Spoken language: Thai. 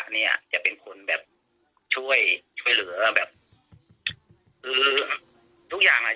แล้วก็รู้ชื่อด้วยแบบใครเป็นคน